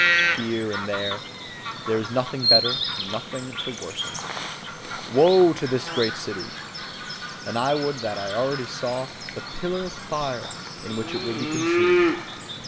Here and there there is nothing to better, nothing to worsen. Woe to this great city! And I would that I already saw the pillar of fire in which it will be consumed!